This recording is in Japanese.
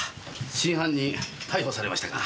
真犯人逮捕されましたか。